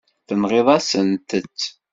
Tenɣiḍ-asent-t.